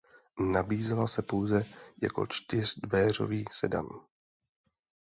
Nabízela se pouze jako čtyřdveřový sedan.